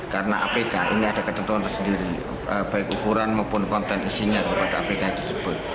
karena apk ini ada ketentuan tersendiri baik ukuran maupun konten isinya terhadap apk yang disebut